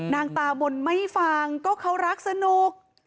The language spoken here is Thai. นางตามนไม่ฟังก็เขารักสนุก